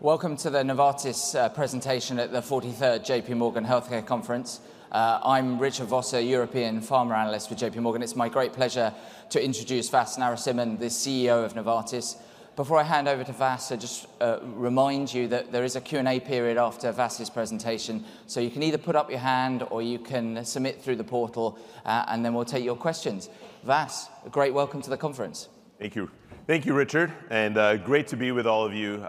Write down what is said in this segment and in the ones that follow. Welcome to the Novartis presentation at the 43rd JPMorgan Healthcare Conference. I'm Richard Vosser, European Pharma Analyst for JPMorgan. It's my great pleasure to introduce Vasant Narasimhan, the CEO of Novartis. Before I hand over to Vas, I just remind you that there is a Q&A period after Vas's presentation, so you can either put up your hand or you can submit through the portal, and then we'll take your questions. Vas, a great welcome to the conference. Thank you. Thank you, Richard. And great to be with all of you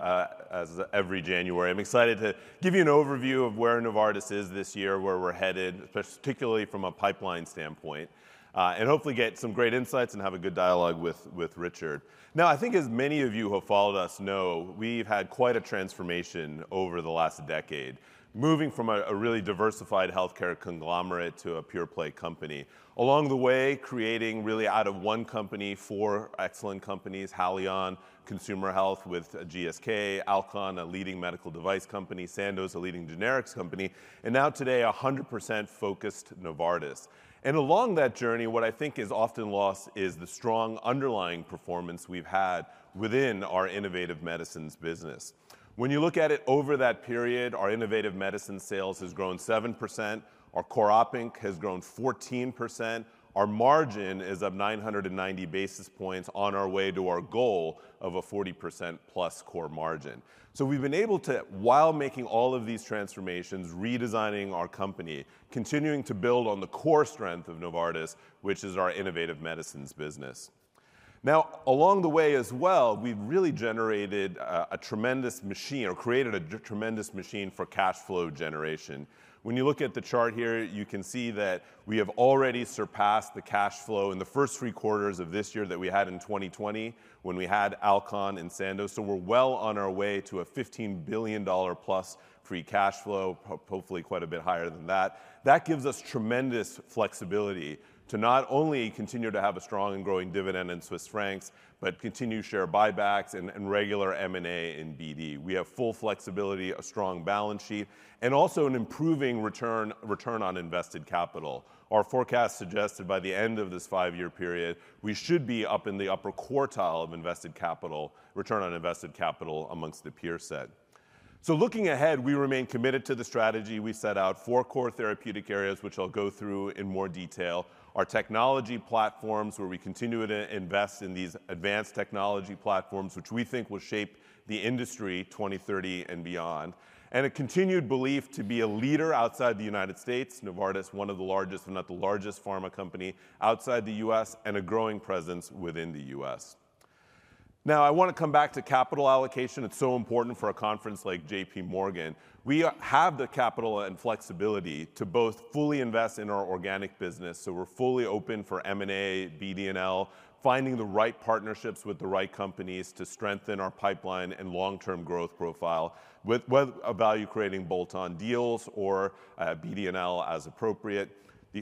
as every January. I'm excited to give you an overview of where Novartis is this year, where we're headed, particularly from a pipeline standpoint, and hopefully get some great insights and have a good dialogue with Richard. Now, I think as many of you who have followed us know, we've had quite a transformation over the last decade, moving from a really diversified healthcare conglomerate to a pure-play company. Along the way, creating really out of one company four excellent companies: Haleon, Consumer Health with GSK, Alcon, a leading medical device company, Sandoz, a leading generics company, and now today, 100% focused Novartis. And along that journey, what I think is often lost is the strong underlying performance we've had within our innovative medicines business. When you look at it over that period, our innovative medicine sales has grown 7%, our core OpInc has grown 14%, our margin is up 990 basis points on our way to our goal of a 40% plus core margin. So we've been able to, while making all of these transformations, redesigning our company, continuing to build on the core strength of Novartis, which is our innovative medicines business. Now, along the way as well, we've really generated a tremendous machine or created a tremendous machine for cash flow generation. When you look at the chart here, you can see that we have already surpassed the cash flow in the first three quarters of this year that we had in 2020 when we had Alcon and Sandoz. So we're well on our way to a $15 billion plus free cash flow, hopefully quite a bit higher than that. That gives us tremendous flexibility to not only continue to have a strong and growing dividend in Swiss francs, but continue share buybacks and regular M&A and BD. We have full flexibility, a strong balance sheet, and also an improving return on invested capital. Our forecast suggests that by the end of this five-year period, we should be up in the upper quartile of invested capital, return on invested capital amongst the peer set. So looking ahead, we remain committed to the strategy we set out, four core therapeutic areas, which I'll go through in more detail, our technology platforms where we continue to invest in these advanced technology platforms, which we think will shape the industry 2030 and beyond, and a continued belief to be a leader outside the United States. Novartis, one of the largest, if not the largest pharma company outside the U.S., and a growing presence within the U.S. Now, I want to come back to capital allocation. It's so important for a conference like JPMorgan. We have the capital and flexibility to both fully invest in our organic business, so we're fully open for M&A, BD&L, finding the right partnerships with the right companies to strengthen our pipeline and long-term growth profile with a value-creating bolt-on deals or BD&L as appropriate,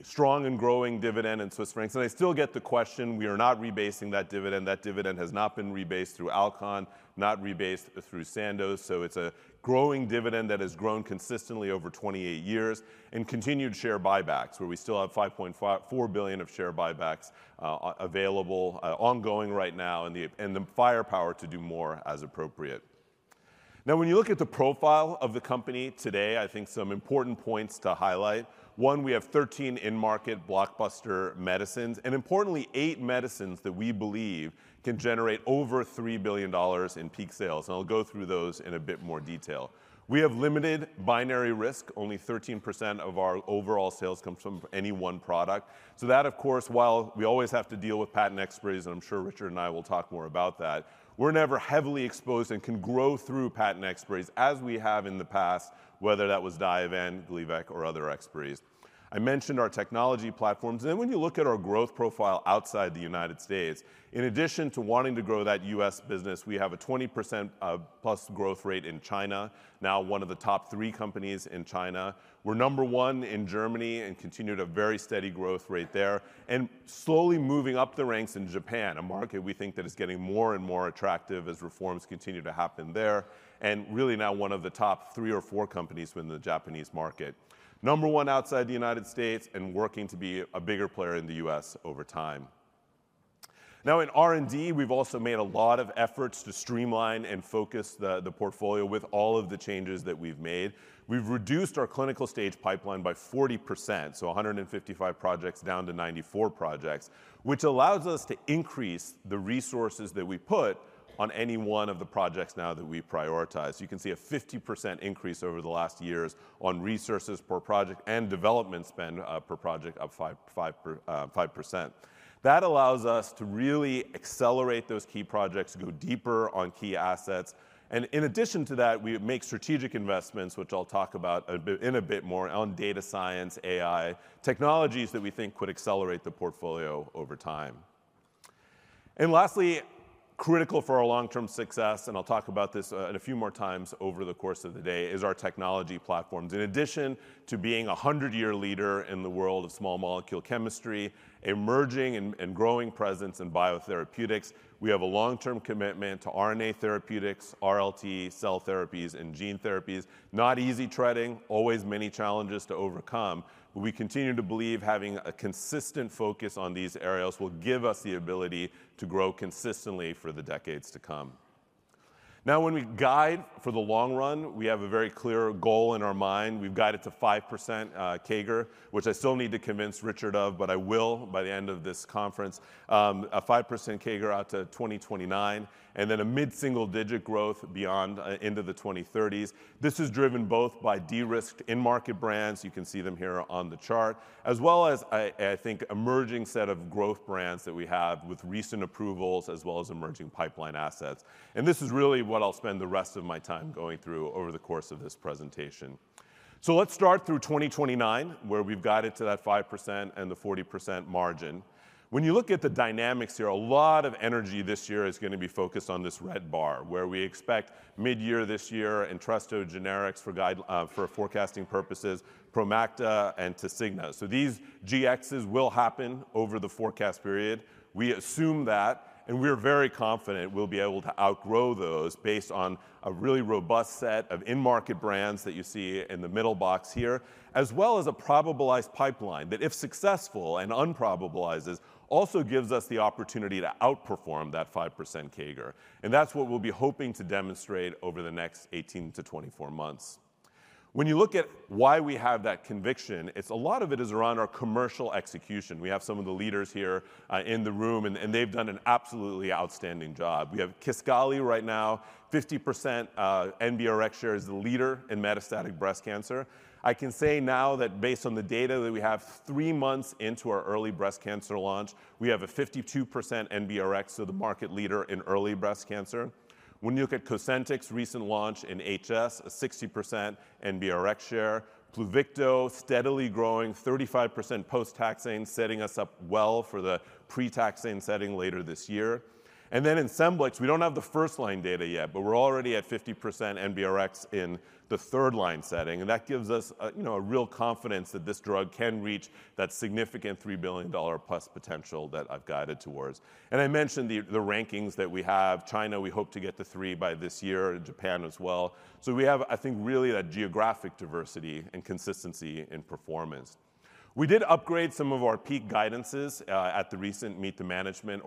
strong and growing dividend in Swiss francs. I still get the question. We are not rebasing that dividend. That dividend has not been rebased through Alcon, not rebased through Sandoz. It's a growing dividend that has grown consistently over 28 years and continued share buybacks where we still have $5.4 billion of share buybacks available, ongoing right now, and the firepower to do more as appropriate. Now, when you look at the profile of the company today, I think some important points to highlight. One, we have 13 in-market blockbuster medicines and, importantly, eight medicines that we believe can generate over $3 billion in peak sales. I'll go through those in a bit more detail. We have limited binary risk. Only 13% of our overall sales come from any one product. That, of course, while we always have to deal with patent expiry, and I'm sure Richard and I will talk more about that, we're never heavily exposed and can grow through patent expiry as we have in the past, whether that was Diovan, Gleevec, or other expiries. I mentioned our technology platforms, and then when you look at our growth profile outside the United States, in addition to wanting to grow that U.S. business, we have a 20% plus growth rate in China, now one of the top three companies in China. We're number one in Germany and continue to have a very steady growth rate there and slowly moving up the ranks in Japan, a market we think that is getting more and more attractive as reforms continue to happen there and really now one of the top three or four companies within the Japanese market. Number one outside the United States and working to be a bigger player in the U.S. over time. Now, in R&D, we've also made a lot of efforts to streamline and focus the portfolio with all of the changes that we've made. We've reduced our clinical stage pipeline by 40%, so 155 projects down to 94 projects, which allows us to increase the resources that we put on any one of the projects now that we prioritize. You can see a 50% increase over the last years on resources per project and development spend per project up 5%. That allows us to really accelerate those key projects, go deeper on key assets. And in addition to that, we make strategic investments, which I'll talk about in a bit more on data science, AI, technologies that we think could accelerate the portfolio over time. And lastly, critical for our long-term success, and I'll talk about this a few more times over the course of the day, is our technology platforms. In addition to being a 100-year leader in the world of small molecule chemistry, emerging and growing presence in biotherapeutics, we have a long-term commitment to RNA therapeutics, RLT, cell therapies, and gene therapies. Not easy treading, always many challenges to overcome. We continue to believe having a consistent focus on these areas will give us the ability to grow consistently for the decades to come. Now, when we guide for the long run, we have a very clear goal in our mind. We've guided to 5% CAGR, which I still need to convince Richard of, but I will by the end of this conference, a 5% CAGR out to 2029, and then a mid-single-digit growth beyond into the 2030s. This is driven both by de-risked in-market brands. You can see them here on the chart, as well as I think an emerging set of growth brands that we have with recent approvals as well as emerging pipeline assets, and this is really what I'll spend the rest of my time going through over the course of this presentation. Let's start through 2029, where we've guided to that 5% and the 40% margin. When you look at the dynamics here, a lot of energy this year is going to be focused on this red bar, where we expect mid-year this year ENTRESTO generics for forecasting purposes, Promacta, and Tasigna. These GXs will happen over the forecast period. We assume that, and we're very confident we'll be able to outgrow those based on a really robust set of in-market brands that you see in the middle box here, as well as a prioritized pipeline that, if successful and realizes, also gives us the opportunity to outperform that 5% CAGR, and that's what we'll be hoping to demonstrate over the next 18-24 months. When you look at why we have that conviction, a lot of it is around our commercial execution. We have some of the leaders here in the room, and they've done an absolutely outstanding job. We have KISQALI right now, 50% NBRX share as the leader in metastatic breast cancer. I can say now that based on the data that we have three months into our early breast cancer launch, we have a 52% NBRX, so the market leader in early breast cancer. When you look at COSENTYX's recent launch in HS, a 60% NBRX share. PLUVICTO, steadily growing, 35% post-castration, setting us up well for the pre-castration setting later this year. And then in SCEMBLIX, we don't have the first-line data yet, but we're already at 50% NBRX in the third-line setting. And that gives us a real confidence that this drug can reach that significant $3 billion plus potential that I've guided towards. And I mentioned the rankings that we have. China, we hope to get to three by this year. Japan as well. So we have, I think, really that geographic diversity and consistency in performance. We did upgrade some of our peak guidances at the recent Meet the Management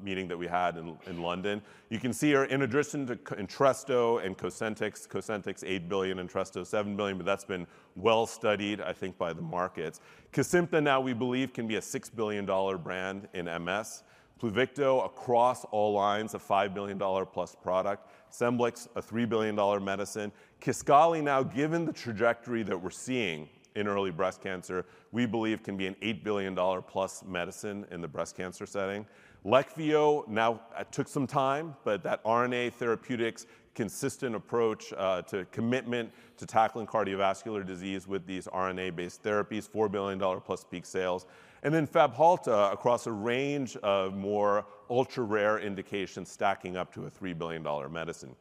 meeting that we had in London. You can see here in addition to ENTRESTO and COSENTYX, COSENTYX $8 billion, ENTRESTO $7 billion, but that's been well studied, I think, by the markets. KESIMPTA now we believe can be a $6 billion brand in MS. PLUVICTO across all lines, a $5 billion plus product. SCEMBLIX, a $3 billion medicine. KISQALI now, given the trajectory that we're seeing in early breast cancer, we believe can be an $8 billion plus medicine in the breast cancer setting. LEQVIO now took some time, but that RNA therapeutics consistent approach to commitment to tackling cardiovascular disease with these RNA-based therapies, $4 billion plus peak sales. And then FABHALTA across a range of more ultra-rare indications stacking up to a $3 billion medicine.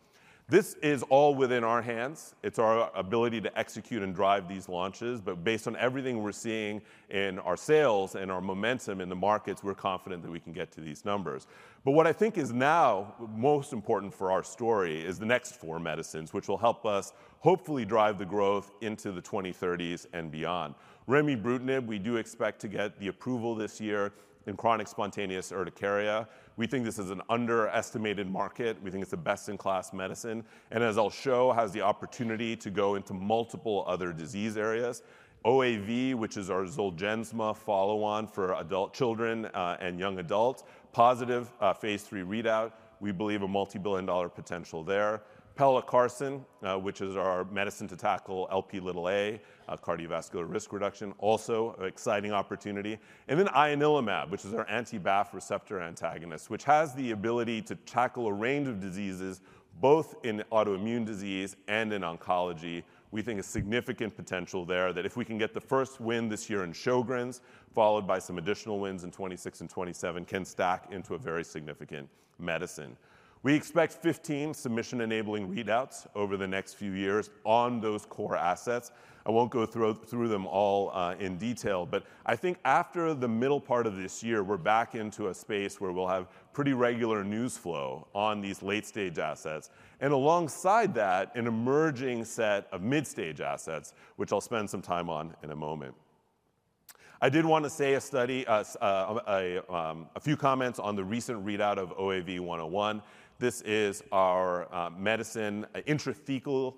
This is all within our hands. It's our ability to execute and drive these launches. But based on everything we're seeing in our sales and our momentum in the markets, we're confident that we can get to these numbers. But what I think is now most important for our story is the next four medicines, which will help us hopefully drive the growth into the 2030s and beyond. Remibrutinib, we do expect to get the approval this year in chronic spontaneous urticaria. We think this is an underestimated market. We think it's a best-in-class medicine. And as I'll show, has the opportunity to go into multiple other disease areas. OAV, which is our ZOLGENSMA follow-on for adult children and young adults, positive phase III readout. We believe a multi-billion-dollar potential there. Pelacarsin, which is our medicine to tackle Lp(a) cardiovascular risk reduction, also an exciting opportunity. And then ianalumab, which is our anti-BAFF receptor antagonist, which has the ability to tackle a range of diseases both in autoimmune disease and in oncology. We think a significant potential there that if we can get the first win this year in Sjögren's, followed by some additional wins in 2026 and 2027, can stack into a very significant medicine. We expect 15 submission-enabling readouts over the next few years on those core assets. I won't go through them all in detail, but I think after the middle part of this year, we're back into a space where we'll have pretty regular news flow on these late-stage assets. And alongside that, an emerging set of mid-stage assets, which I'll spend some time on in a moment. I did want to say a few comments on the recent readout of OAV101. This is our medicine, intrathecal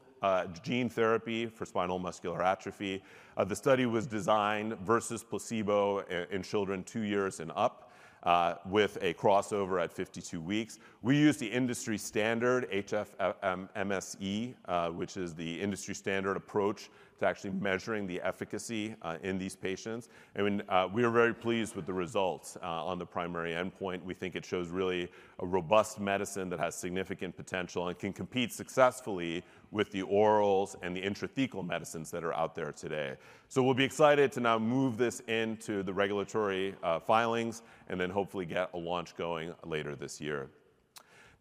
gene therapy for spinal muscular atrophy. The study was designed versus placebo in children two years and up with a crossover at 52 weeks. We use the industry standard HFMSE, which is the industry standard approach to actually measuring the efficacy in these patients. And we are very pleased with the results on the primary endpoint. We think it shows really a robust medicine that has significant potential and can compete successfully with the orals and the intrathecal medicines that are out there today. So we'll be excited to now move this into the regulatory filings and then hopefully get a launch going later this year.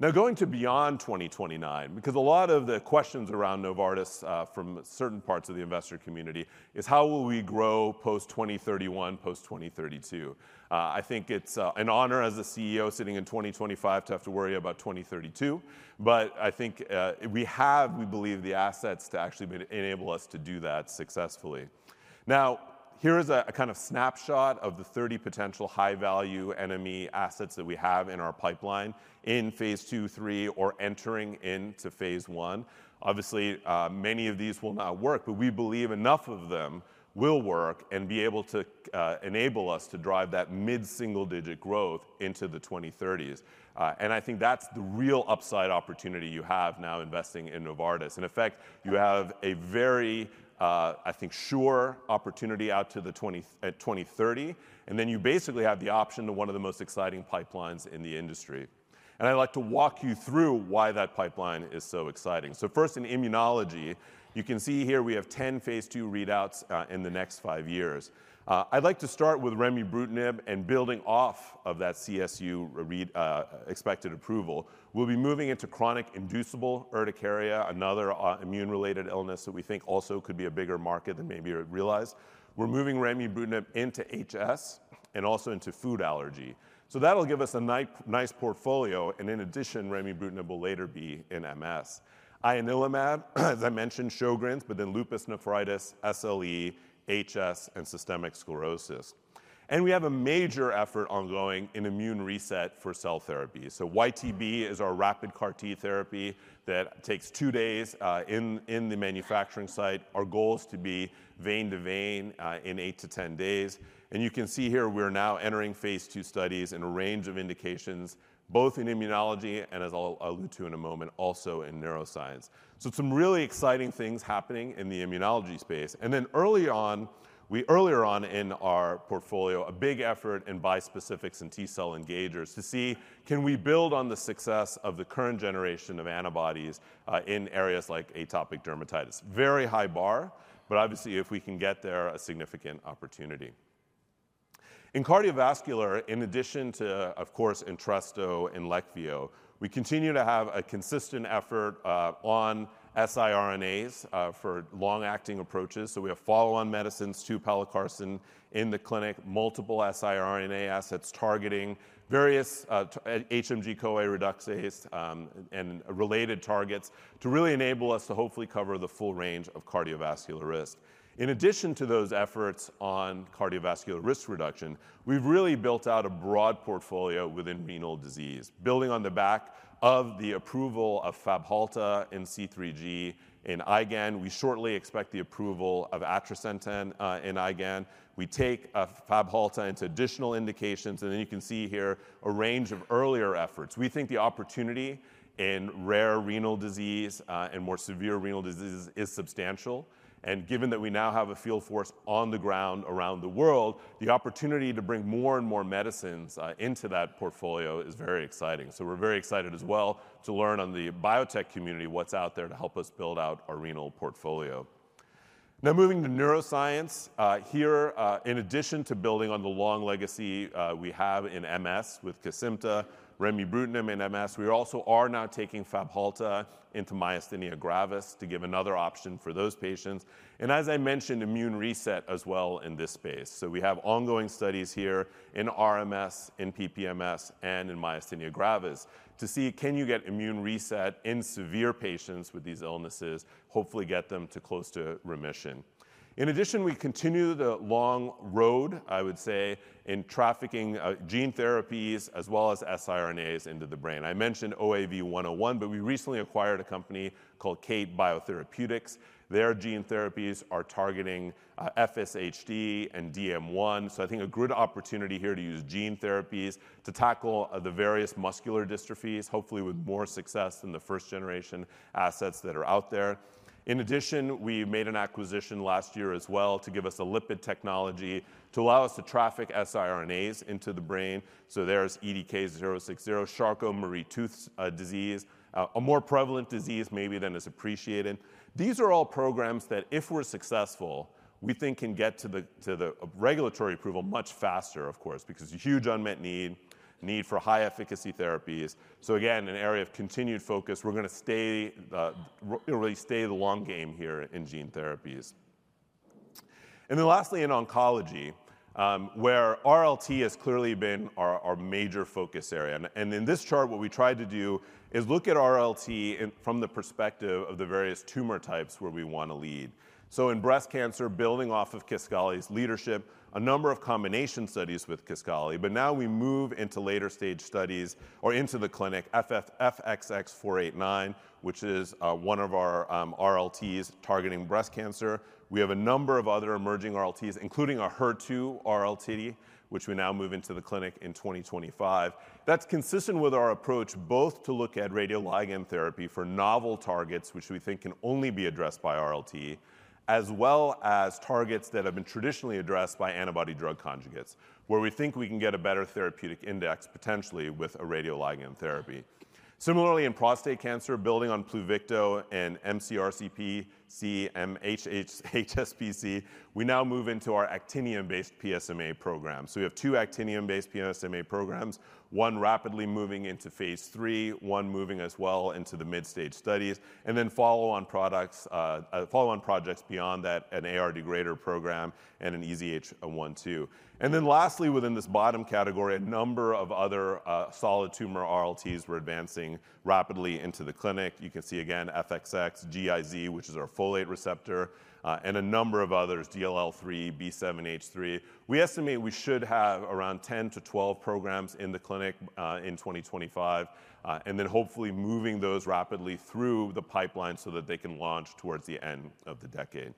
Now, going to beyond 2029, because a lot of the questions around Novartis from certain parts of the investor community is how will we grow post-2031, post-2032? I think it's an honor as a CEO sitting in 2025 to have to worry about 2032, but I think we have, we believe, the assets to actually enable us to do that successfully. Now, here is a kind of snapshot of the 30 potential high-value NME assets that we have in our pipeline in phase II, III, or entering into phase I. Obviously, many of these will not work, but we believe enough of them will work and be able to enable us to drive that mid-single-digit growth into the 2030s. And I think that's the real upside opportunity you have now investing in Novartis. In effect, you have a very, I think, sure opportunity out to 2030, and then you basically have the option to one of the most exciting pipelines in the industry. And I'd like to walk you through why that pipeline is so exciting. So first, in immunology, you can see here we have 10 phase II readouts in the next five years. I'd like to start with Remibrutinib and building off of that CSU expected approval. We'll be moving into chronic inducible urticaria, another immune-related illness that we think also could be a bigger market than maybe you realize. We're moving Remibrutinib into HS and also into food allergy. So that'll give us a nice portfolio. And in addition, Remibrutinib will later be in MS. Ianalumab, as I mentioned, Sjögren's, but then lupus nephritis, SLE, HS, and systemic sclerosis. And we have a major effort ongoing in immune reset for cell therapy. So YTB is our rapid CAR-T therapy that takes two days in the manufacturing site. Our goal is to be vein-to-vein in eight to 10 days. And you can see here we're now entering phase II studies in a range of indications, both in immunology and, as I'll allude to in a moment, also in neuroscience. so some really exciting things happening in the immunology space. and then early on, earlier on in our portfolio, a big effort in bispecifics and T-cell engagers to see can we build on the success of the current generation of antibodies in areas like atopic dermatitis. Very high bar, but obviously if we can get there, a significant opportunity. In cardiovascular, in addition to, of course, ENTRESTO and LEQVIO, we continue to have a consistent effort on siRNAs for long-acting approaches. so we have follow-on medicines to Pelacarsin in the clinic, multiple siRNA assets targeting various HMG-CoA reductases and related targets to really enable us to hopefully cover the full range of cardiovascular risk. In addition to those efforts on cardiovascular risk reduction, we've really built out a broad portfolio within renal disease, building on the back of the approval of FABHALTA in C3G in IgAN. We shortly expect the approval of Atrisentan in IgAN. We take FABHALTA into additional indications, and then you can see here a range of earlier efforts. We think the opportunity in rare renal disease and more severe renal disease is substantial, and given that we now have a field force on the ground around the world, the opportunity to bring more and more medicines into that portfolio is very exciting, so we're very excited as well to learn on the biotech community what's out there to help us build out our renal portfolio. Now, moving to neuroscience here, in addition to building on the long legacy we have in MS with KESIMPTA, Remibrutinib in MS, we also are now taking FABHALTA into Myasthenia gravis to give another option for those patients. And as I mentioned, immune reset as well in this space. So we have ongoing studies here in RMS, in PPMS, and in Myasthenia gravis to see can you get immune reset in severe patients with these illnesses, hopefully get them to close to remission. In addition, we continue the long road, I would say, in trafficking gene therapies as well as siRNAs into the brain. I mentioned OAV101, but we recently acquired a company called Kate BioTherapeutics. Their gene therapies are targeting FSHD and DM1. I think a good opportunity here to use gene therapies to tackle the various muscular dystrophies, hopefully with more success than the first-generation assets that are out there. In addition, we made an acquisition last year as well to give us a lipid technology to allow us to traffic siRNAs into the brain. There's EDK060, Charcot-Marie-Tooth disease, a more prevalent disease maybe than is appreciated. These are all programs that, if we're successful, we think can get to the regulatory approval much faster, of course, because huge unmet need for high-efficacy therapies. Again, an area of continued focus. We're going to really stay the long game here in gene therapies. Then lastly, in oncology, where RLT has clearly been our major focus area. In this chart, what we tried to do is look at RLT from the perspective of the various tumor types where we want to lead. So in breast cancer, building off of KISQALI's leadership, a number of combination studies with KISQALI, but now we move into later-stage studies or into the clinic, FXX489, which is one of our RLTs targeting breast cancer. We have a number of other emerging RLTs, including a HER2 RLT, which we now move into the clinic in 2025. That's consistent with our approach both to look at radioligand therapy for novel targets, which we think can only be addressed by RLT, as well as targets that have been traditionally addressed by antibody drug conjugates, where we think we can get a better therapeutic index potentially with a radioligand therapy. Similarly, in prostate cancer, building on PLUVICTO and mCRPC and HSPC, we now move into our actinium-based PSMA program. So we have two actinium-based PSMA programs, one rapidly moving into phase III, one moving as well into the mid-stage studies, and then follow-on projects beyond that, an AR degrader program and an EZH2. And then lastly, within this bottom category, a number of other solid tumor RLTs we're advancing rapidly into the clinic. You can see again FXX, GIZ, which is our folate receptor, and a number of others, DLL3, B7-H3. We estimate we should have around 10-12 programs in the clinic in 2025, and then hopefully moving those rapidly through the pipeline so that they can launch towards the end of the decade,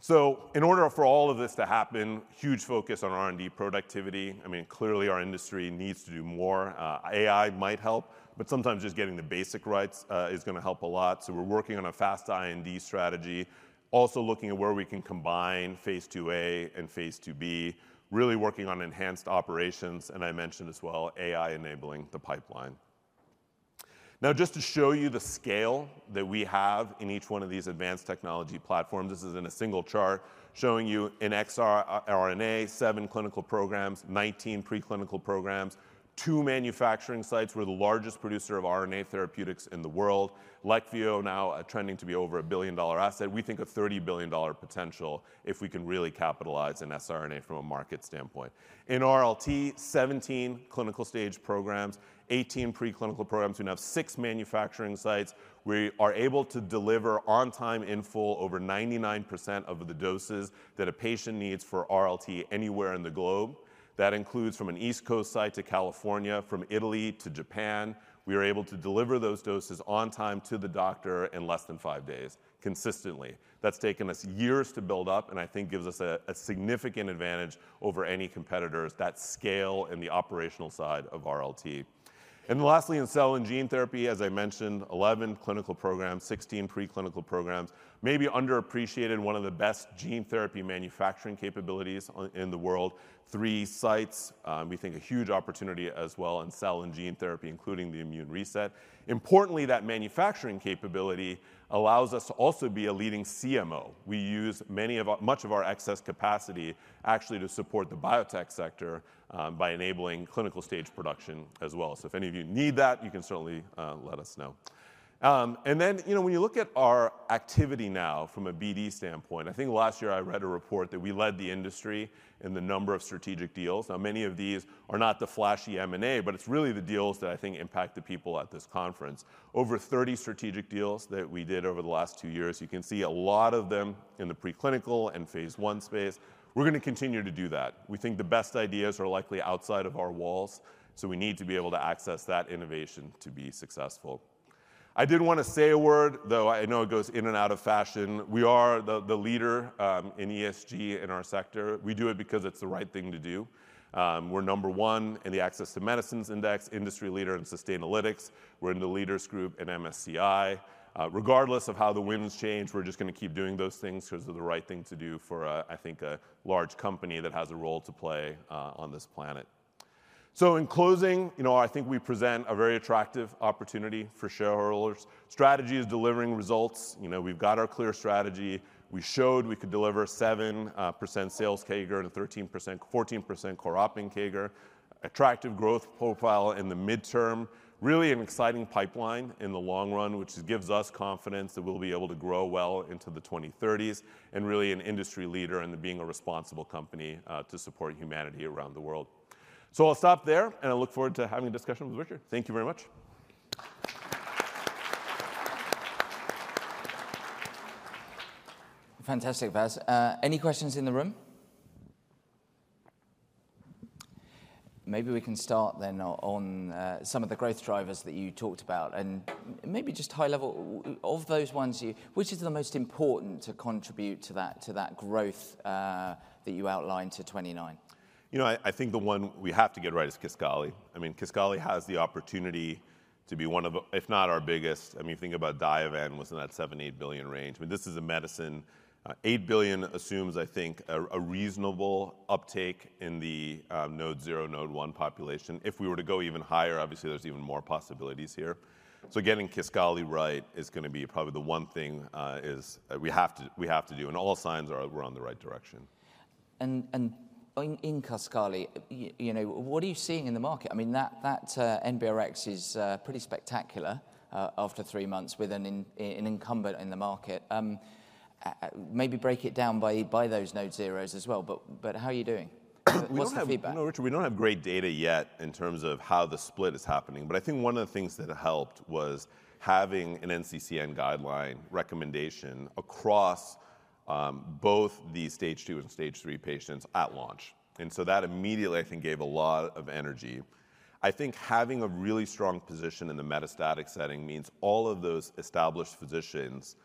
so in order for all of this to happen, huge focus on R&D productivity. I mean, clearly our industry needs to do more. AI might help, but sometimes just getting the basic rights is going to help a lot. So we're working on a fast R&D strategy, also looking at where we can combine phase IIA and phase IIB, really working on enhanced operations. And I mentioned as well, AI enabling the pipeline. Now, just to show you the scale that we have in each one of these advanced technology platforms, this is in a single chart showing you in xRNA, seven clinical programs, 19 preclinical programs, two manufacturing sites where the largest producer of RNA therapeutics in the world, LEQVIO, now trending to be over a billion-dollar asset. We think a $30 billion potential if we can really capitalize on siRNA from a market standpoint. In RLT, 17 clinical-stage programs, 18 preclinical programs. We now have six manufacturing sites. We are able to deliver on time in full over 99% of the doses that a patient needs for RLT anywhere in the globe. That includes from an East Coast site to California, from Italy to Japan. We are able to deliver those doses on time to the doctor in less than five days consistently. That's taken us years to build up, and I think gives us a significant advantage over any competitors, that scale in the operational side of RLT. And lastly, in cell and gene therapy, as I mentioned, 11 clinical programs, 16 preclinical programs, maybe underappreciated, one of the best gene therapy manufacturing capabilities in the world, three sites. We think a huge opportunity as well in cell and gene therapy, including the immune reset. Importantly, that manufacturing capability allows us to also be a leading CMO. We use much of our excess capacity actually to support the biotech sector by enabling clinical stage production as well. So if any of you need that, you can certainly let us know. And then when you look at our activity now from a BD standpoint, I think last year I read a report that we led the industry in the number of strategic deals. Now, many of these are not the flashy M&A, but it's really the deals that I think impact the people at this conference. Over 30 strategic deals that we did over the last two years. You can see a lot of them in the preclinical and phase I space. We're going to continue to do that. We think the best ideas are likely outside of our walls, so we need to be able to access that innovation to be successful. I did want to say a word, though I know it goes in and out of fashion. We are the leader in ESG in our sector. We do it because it's the right thing to do. We're number one in the Access to Medicines Index, industry leader in Sustainalytics. We're in the leaders group in MSCI. Regardless of how the winds change, we're just going to keep doing those things because they're the right thing to do for, I think, a large company that has a role to play on this planet. So in closing, I think we present a very attractive opportunity for shareholders. Strategy is delivering results. We've got our clear strategy. We showed we could deliver 7% sales CAGR and a 13%-14% core op inc CAGR, attractive growth profile in the midterm, really an exciting pipeline in the long run, which gives us confidence that we'll be able to grow well into the 2030s and really an industry leader in being a responsible company to support humanity around the world. So I'll stop there, and I look forward to having a discussion with Richard. Thank you very much. Fantastic, Vas. Any questions in the room? Maybe we can start then on some of the growth drivers that you talked about and maybe just high level of those ones, which is the most important to contribute to that growth that you outlined to 29? You know. I think the one we have to get right is KISQALI. I mean, KISQALI has the opportunity to be one of, if not our biggest. I mean, think about Diovan, was in that $7-$8 billion range. I mean, this is a medicine. $8 billion assumes, I think, a reasonable uptake in the node 0, node 1 population. If we were to go even higher, obviously there's even more possibilities here. So getting KISQALI right is going to be probably the one thing we have to do, and all signs are we're on the right direction. In KISQALI, what are you seeing in the market? I mean, that NBRX is pretty spectacular after three months with an incumbent in the market. Maybe break it down by those node zeros as well. How are you doing? We don't have great data yet in terms of how the split is happening, but I think one of the things that helped was having an NCCN guideline recommendation across both the stage two and stage three patients at launch, and so that immediately, I think, gave a lot of energy. I think having a really strong position in the metastatic setting means all of those established physicians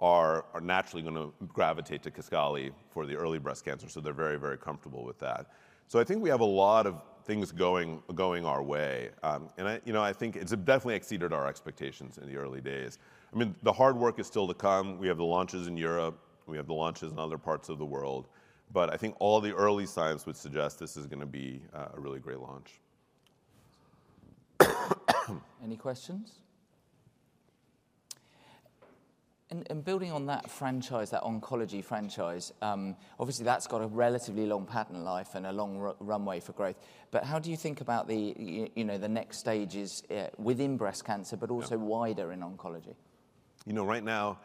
are naturally going to gravitate to KISQALI for the early breast cancer, so they're very, very comfortable with that, so I think we have a lot of things going our way, and I think it's definitely exceeded our expectations in the early days. I mean, the hard work is still to come. We have the launches in Europe. We have the launches in other parts of the world. But I think all the early science would suggest this is going to be a really great launch. Any questions? And building on that franchise, that oncology franchise, obviously that's got a relatively long patent life and a long runway for growth. But how do you think about the next stages within breast cancer, but also wider in oncology? You know. Right now,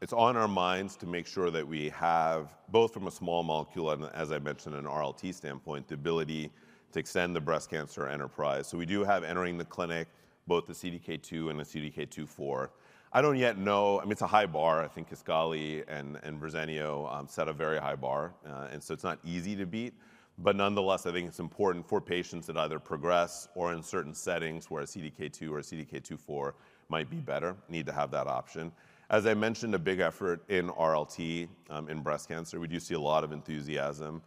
it's on our minds to make sure that we have, both from a small molecule and, as I mentioned, an RLT standpoint, the ability to extend the breast cancer enterprise. So we do have entering the clinic, both the CDK2 and the CDK2/4. I don't yet know. I mean, it's a high bar. I think KISQALI and Verzenio set a very high bar. And so it's not easy to beat. But nonetheless, I think it's important for patients that either progress or in certain settings where a CDK2 or a CDK2/4 might be better, need to have that option. As I mentioned, a big effort in RLT in breast cancer, we do see a lot of enthusiasm.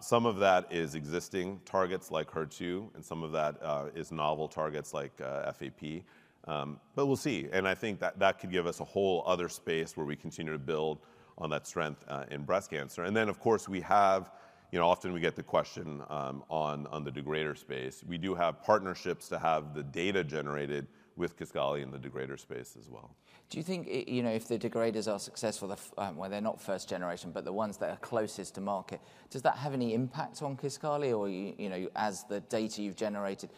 Some of that is existing targets like HER2, and some of that is novel targets like FAP. But we'll see. And I think that could give us a whole other space where we continue to build on that strength in breast cancer. And then, of course, we often get the question on the degrader space. We do have partnerships to have the data generated with KISQALI in the degrader space as well. Do you think if the degraders are successful, they're not first generation, but the ones that are closest to market, does that have any impact on KISQALI? Or as the data you've generated,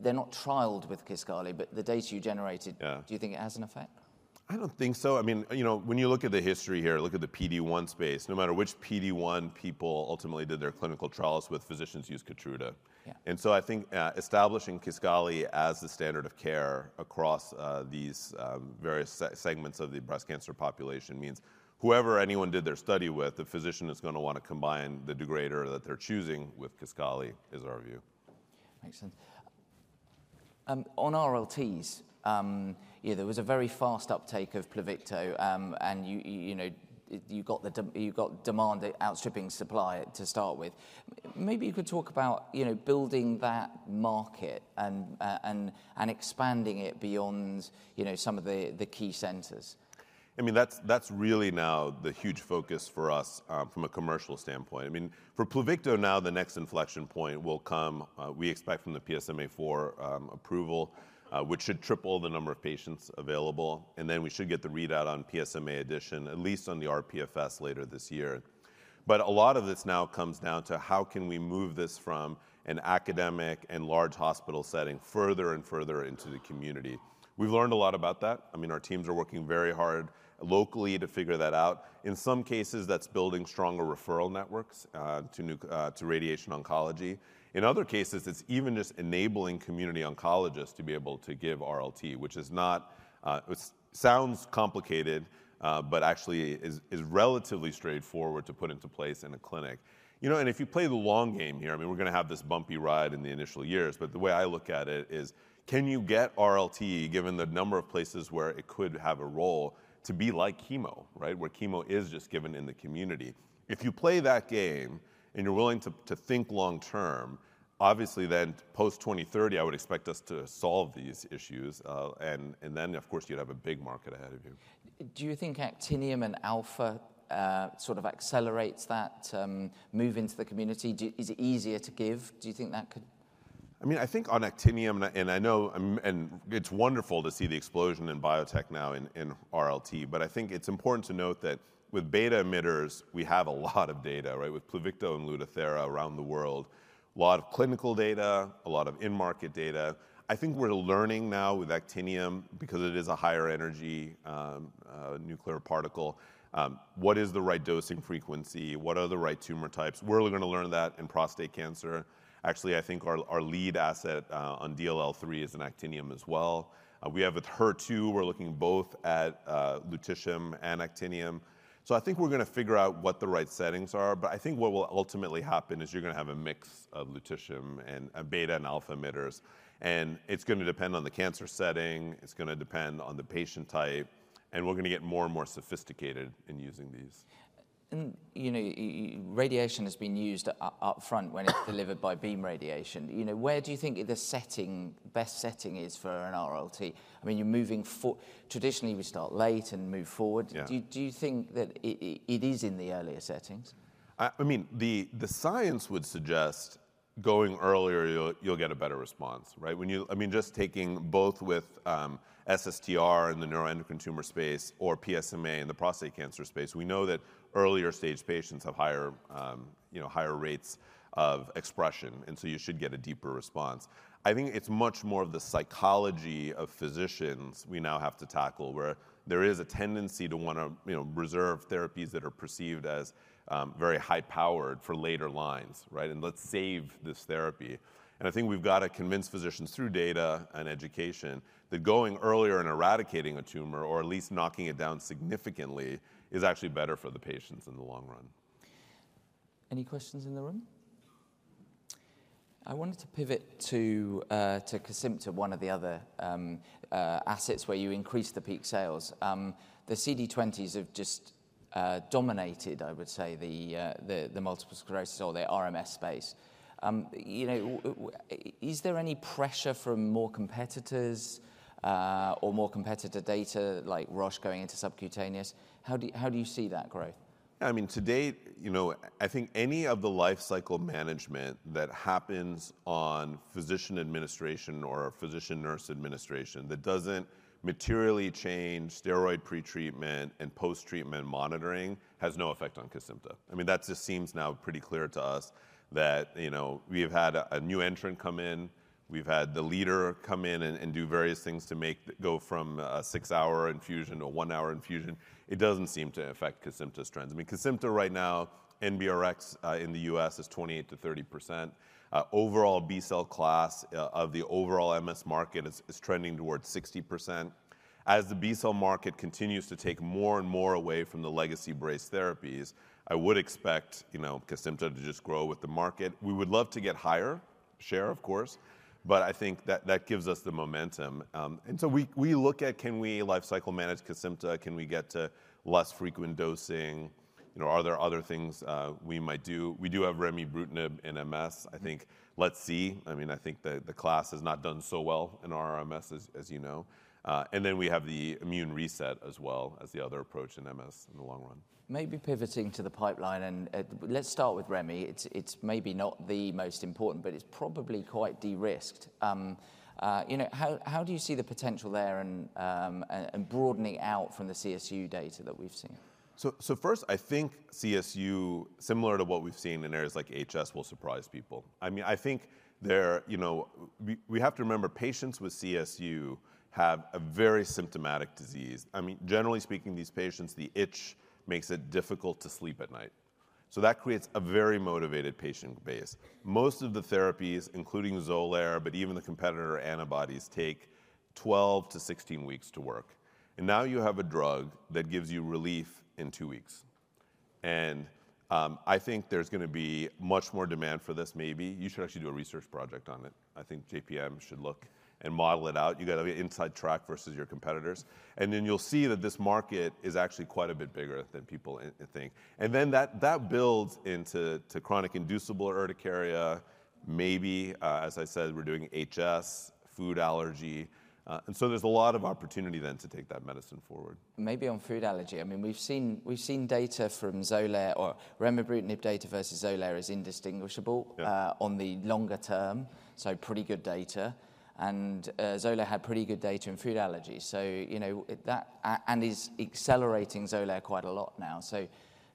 they're not trialed with KISQALI, but the data you generated, do you think it has an effect? I don't think so. I mean, when you look at the history here, look at the PD1 space, no matter which PD1 people ultimately did their clinical trials with, physicians use KEYTRUDA. And so I think establishing KISQALI as the standard of care across these various segments of the breast cancer population means whoever anyone did their study with, the physician is going to want to combine the degrader that they're choosing with KISQALI, is our view. Makes sense. On RLTs, there was a very fast uptake of PLUVICTO, and you got demand outstripping supply to start with. Maybe you could talk about building that market and expanding it beyond some of the key centers. I mean, that's really now the huge focus for us from a commercial standpoint. I mean, for PLUVICTO now, the next inflection point will come, we expect from the PSMAfore approval, which should triple the number of patients available, and then we should get the readout on PSMAfore, at least on the rPFS later this year, but a lot of this now comes down to how can we move this from an academic and large hospital setting further and further into the community. We've learned a lot about that. I mean, our teams are working very hard locally to figure that out. In some cases, that's building stronger referral networks to radiation oncology. In other cases, it's even just enabling community oncologists to be able to give RLT, which sounds complicated, but actually is relatively straightforward to put into place in a clinic. And if you play the long game here, I mean, we're going to have this bumpy ride in the initial years. But the way I look at it is, can you get RLT given the number of places where it could have a role to be like chemo, where chemo is just given in the community? If you play that game and you're willing to think long term, obviously then post 2030, I would expect us to solve these issues. And then, of course, you'd have a big market ahead of you. Do you think Actinium and alpha sort of accelerates that move into the community? Is it easier to give? Do you think that could? I mean, I think on actinium, and I know it's wonderful to see the explosion in biotech now in RLT, but I think it's important to note that with beta emitters, we have a lot of data, with PLUVICTO and LUTATHERA around the world, a lot of clinical data, a lot of in-market data. I think we're learning now with actinium because it is a higher energy nuclear particle. What is the right dosing frequency? What are the right tumor types? We're really going to learn that in prostate cancer. Actually, I think our lead asset on DLL3 is in actinium as well. We have with HER2, we're looking both at Lutetium and actinium. So I think we're going to figure out what the right settings are. But I think what will ultimately happen is you're going to have a mix of Lutetium and beta and alpha emitters. It’s going to depend on the cancer setting. It’s going to depend on the patient type. We’re going to get more and more sophisticated in using these. Radiation has been used upfront when it's delivered by beam radiation. Where do you think the best setting is for an RLT? I mean, traditionally we start late and move forward. Do you think that it is in the earlier settings? I mean, the science would suggest going earlier, you'll get a better response. I mean, just taking both with SSTR in the neuroendocrine tumor space or PSMA in the prostate cancer space, we know that earlier stage patients have higher rates of expression. And so you should get a deeper response. I think it's much more of the psychology of physicians we now have to tackle where there is a tendency to want to reserve therapies that are perceived as very high powered for later lines. And let's save this therapy. And I think we've got to convince physicians through data and education that going earlier and eradicating a tumor or at least knocking it down significantly is actually better for the patients in the long run. Any questions in the room? I wanted to pivot to KESIMPTA, one of the other assets where you increased the peak sales. The CD20s have just dominated, I would say, the multiple sclerosis or the RMS space. Is there any pressure from more competitors or more competitor data like Roche going into subcutaneous? How do you see that growth? I mean, to date, I think any of the life cycle management that happens on physician administration or physician nurse administration that doesn't materially change steroid pretreatment and post-treatment monitoring has no effect on KESIMPTA. I mean, that just seems now pretty clear to us that we have had a new entrant come in. We've had the leader come in and do various things to go from a six-hour infusion to a one-hour infusion. It doesn't seem to affect KESIMPTA's trends. I mean, KESIMPTA right now, NBRX in the U.S. is 28%-30%. Overall B-cell class of the overall MS market is trending towards 60%. As the B-cell market continues to take more and more away from the legacy branded therapies, I would expect KESIMPTA to just grow with the market. We would love to get higher share, of course, but I think that gives us the momentum. We look at, can we life cycle manage KESIMPTA? Can we get to less frequent dosing? Are there other things we might do? We do have Remibrutinib in MS. I think, let's see. I mean, I think the class has not done so well in our RMS, as you know. Then we have the immune reset as well as the other approach in MS in the long run. Maybe pivoting to the pipeline. And let's start with Remi. It's maybe not the most important, but it's probably quite de-risked. How do you see the potential there and broadening out from the CSU data that we've seen? So first, I think CSU, similar to what we've seen in areas like HS, will surprise people. I mean, I think we have to remember patients with CSU have a very symptomatic disease. I mean, generally speaking, these patients, the itch makes it difficult to sleep at night. So that creates a very motivated patient base. Most of the therapies, including XOLAIR, but even the competitor antibodies take 12-16 weeks to work. And now you have a drug that gives you relief in two weeks. And I think there's going to be much more demand for this, maybe. You should actually do a research project on it. I think JPM should look and model it out. You've got to be inside track versus your competitors. And then you'll see that this market is actually quite a bit bigger than people think. And then that builds into chronic inducible urticaria, maybe, as I said, we're doing HS, food allergy. And so there's a lot of opportunity then to take that medicine forward. Maybe on food allergy. I mean, we've seen data from XOLAIR, Remibrutinib data versus XOLAIR is indistinguishable on the longer term. So pretty good data. And XOLAIR had pretty good data in food allergy. And is accelerating XOLAIR quite a lot now. So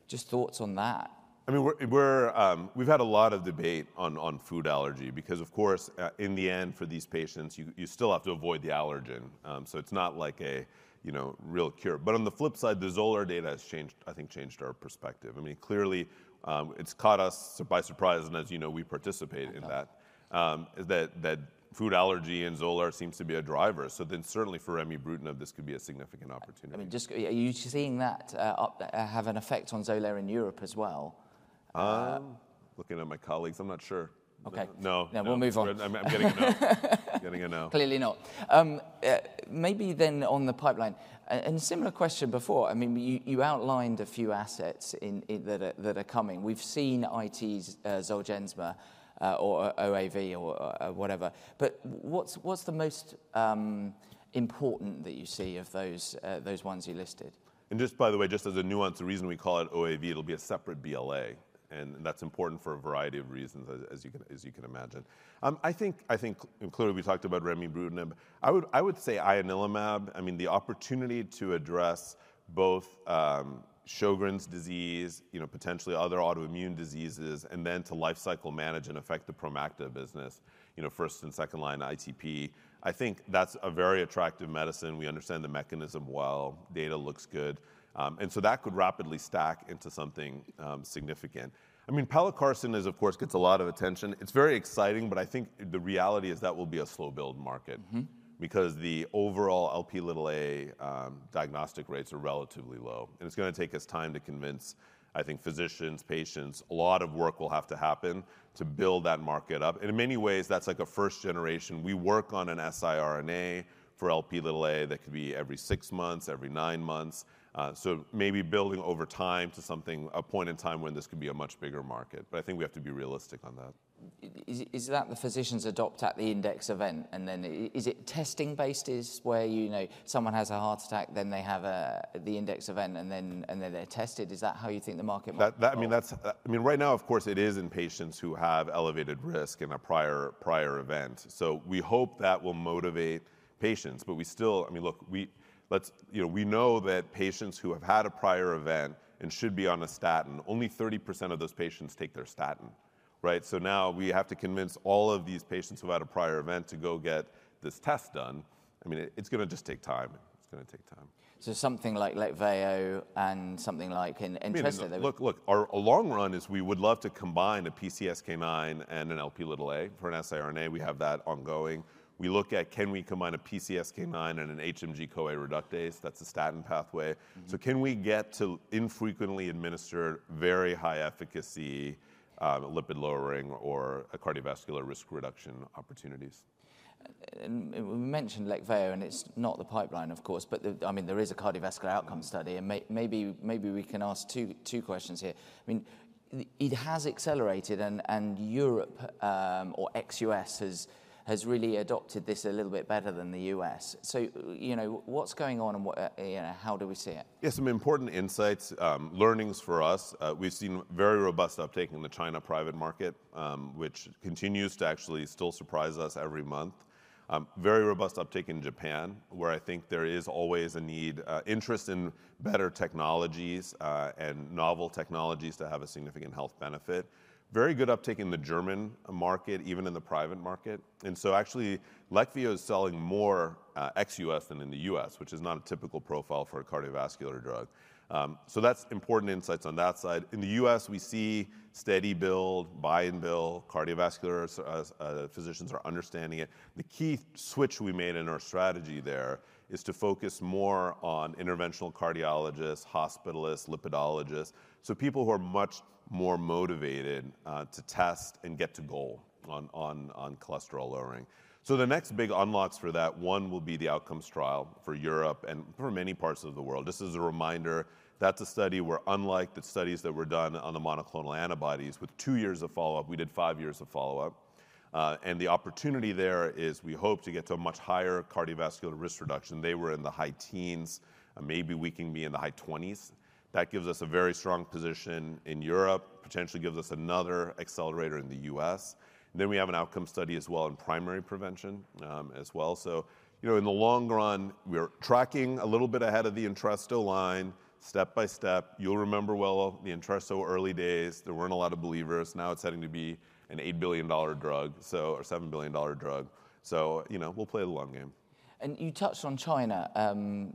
just thoughts on that? I mean, we've had a lot of debate on food allergy because, of course, in the end, for these patients, you still have to avoid the allergen. So it's not like a real cure, but on the flip side, the XOLAIR data has changed, I think changed our perspective. I mean, clearly, it's caught us by surprise, and as you know, we participate in that. That food allergy and XOLAIR seems to be a driver, so then certainly for Remibrutinib, this could be a significant opportunity. I mean, just are you seeing that have an effect on XOLAIR in Europe as well? Looking at my colleagues, I'm not sure. Okay. No. No, we'll move on. I'm getting a no. Clearly not. Maybe then on the pipeline, and similar question before. I mean, you outlined a few assets that are coming. We've seen it's ZOLGENSMA or OAV or whatever, but what's the most important that you see of those ones you listed? And just by the way, just as a nuance, the reason we call it OAV, it'll be a separate BLA. And that's important for a variety of reasons, as you can imagine. I think, and clearly we talked about Remibrutinib, I would say Ianalumab. I mean, the opportunity to address both Sjögren's disease, potentially other autoimmune diseases, and then to life cycle manage and affect the Promacta business, first and second line ITP. I think that's a very attractive medicine. We understand the mechanism well. Data looks good. And so that could rapidly stack into something significant. I mean, Pelacarsin is, of course, gets a lot of attention. It's very exciting. But I think the reality is that will be a slow build market because the overall Lp(a) diagnostic rates are relatively low. And it's going to take us time to convince, I think, physicians, patients. A lot of work will have to happen to build that market up, and in many ways, that's like a first generation. We work on a siRNA for Lp(a) that could be every six months, every nine months, so maybe building over time to a point in time when this could be a much bigger market, but I think we have to be realistic on that. Is that how physicians adopt at the index event? And then, is it testing-based, where someone has a heart attack, then they have the index event, and then they're tested? Is that how you think the market might? I mean, right now, of course, it is in patients who have elevated risk and a prior event. So we hope that will motivate patients. But we still, I mean, look, we know that patients who have had a prior event and should be on a statin, only 30% of those patients take their statin. So now we have to convince all of these patients who have had a prior event to go get this test done. I mean, it's going to just take time. It's going to take time. Something like LEQVIO and something like ENTRESTO. Look, our long run is we would love to combine a PCSK9 and an Lp(a) for an siRNA. We have that ongoing. We look at, can we combine a PCSK9 and an HMG-CoA reductase? That's a statin pathway. So can we get to infrequently administered very high efficacy lipid lowering or cardiovascular risk reduction opportunities? We mentioned LEQVIO, and it's not the pipeline, of course. But I mean, there is a cardiovascular outcome study. And maybe we can ask two questions here. I mean, it has accelerated, and Europe or ex-U.S. has really adopted this a little bit better than the US. So what's going on, and how do we see it? Yes, some important insights, learnings for us. We've seen very robust uptake in the China private market, which continues to actually still surprise us every month. Very robust uptake in Japan, where I think there is always an interest in better technologies and novel technologies to have a significant health benefit. Very good uptake in the German market, even in the private market, and so actually, LEQVIO is selling more ex-U.S. than in the U.S., which is not a typical profile for a cardiovascular drug, so that's important insights on that side. In the U.S., we see steady build, buy and bill. Cardiovascular physicians are understanding it. The key switch we made in our strategy there is to focus more on interventional cardiologists, hospitalists, lipidologists, so people who are much more motivated to test and get to goal on cholesterol lowering. So the next big unlocks for that, one will be the outcomes trial for Europe and for many parts of the world. Just as a reminder, that's a study where, unlike the studies that were done on the monoclonal antibodies with two years of follow-up, we did five years of follow-up. And the opportunity there is we hope to get to a much higher cardiovascular risk reduction. They were in the high teens. Maybe we can be in the high 20s. That gives us a very strong position in Europe, potentially gives us another accelerator in the U.S. Then we have an outcome study as well in primary prevention as well. So in the long run, we're tracking a little bit ahead of the ENTRESTO line, step by step. You'll remember well the ENTRESTO early days. There weren't a lot of believers. Now it's heading to be an $8 billion drug or $7 billion drug. So we'll play the long game. You touched on China.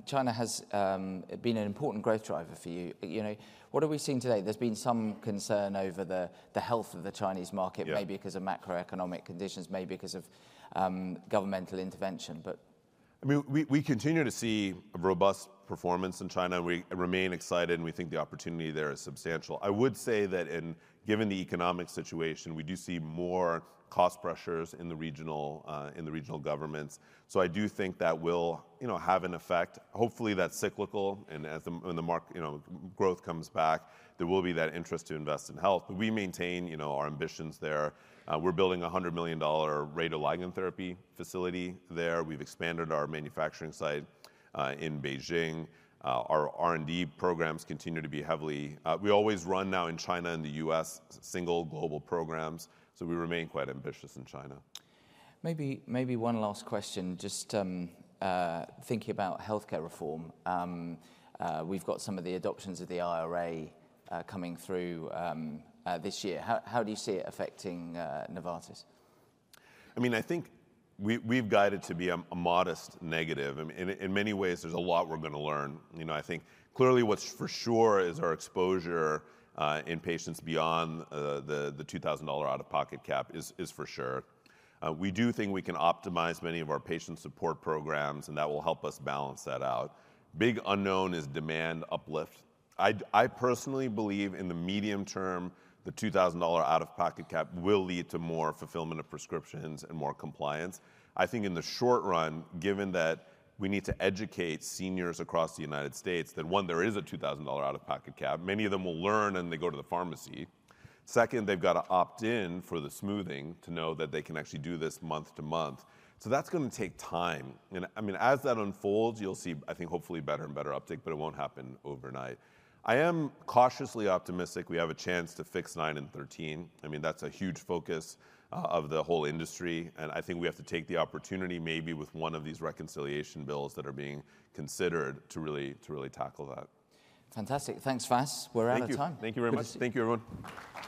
China has been an important growth driver for you. What are we seeing today? There's been some concern over the health of the Chinese market, maybe because of macroeconomic conditions, maybe because of governmental intervention. I mean, we continue to see robust performance in China, and we remain excited, and we think the opportunity there is substantial. I would say that given the economic situation, we do see more cost pressures in the regional governments, so I do think that will have an effect. Hopefully, that's cyclical, and when the growth comes back, there will be that interest to invest in health, but we maintain our ambitions there. We're building a $100 million radioligand therapy facility there. We've expanded our manufacturing site in Beijing. Our R&D programs continue to be heavily. We always run now in China and the U.S. single global programs, so we remain quite ambitious in China. Maybe one last question, just thinking about healthcare reform. We've got some of the provisions of the IRA coming through this year. How do you see it affecting Novartis? I mean, I think we've guided to be a modest negative. In many ways, there's a lot we're going to learn. I think clearly what's for sure is our exposure in patients beyond the $2,000 out-of-pocket cap is for sure. We do think we can optimize many of our patient support programs, and that will help us balance that out. Big unknown is demand uplift. I personally believe in the medium term, the $2,000 out-of-pocket cap will lead to more fulfillment of prescriptions and more compliance. I think in the short run, given that we need to educate seniors across the United States that, one, there is a $2,000 out-of-pocket cap, many of them will learn and they go to the pharmacy. Second, they've got to opt in for the smoothing to know that they can actually do this month to month. So that's going to take time. And I mean, as that unfolds, you'll see, I think, hopefully better and better uptake. But it won't happen overnight. I am cautiously optimistic we have a chance to fix nine and 13. I mean, that's a huge focus of the whole industry. And I think we have to take the opportunity maybe with one of these reconciliation bills that are being considered to really tackle that. Fantastic. Thanks, Vas. We're out of time. Thank you very much. Thank you, everyone.